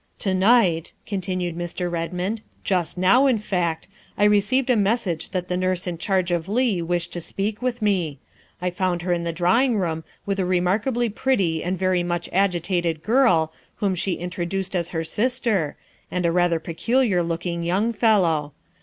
" To night," continued Mr. Redmond, " just now, in fact, I received a message that the nurse in charge of Leigh wished to speak with me. I found her in the 332 THE WIFE OF drawing room with a remarkably pretty and very much agitated girl, whom she introduced as her sister, and a rather peculiar looking young fellow.